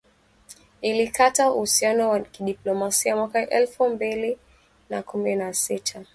ilikata uhusiano wa kidiplomasia mwaka elfu mbili na kumi na sita